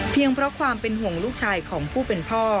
เพราะความเป็นห่วงลูกชายของผู้เป็นพ่อ